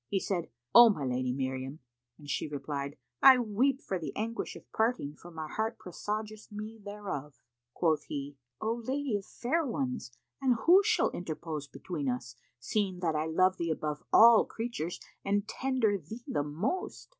He said, "O my lady Miriam,[FN#487] what aileth thee to weep?"; and she replied, "I weep for the anguish of parting for my heart presageth me thereof." Quoth he, "O lady of fair ones, and who shall interpose between us, seeing that I love thee above all creatures and tender thee the most?"